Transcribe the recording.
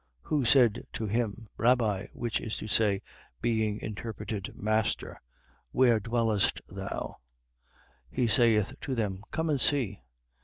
Who said to him: Rabbi (which is to say, being interpreted, Master), where dwellest thou? 1:39. He saith to them: Come and see.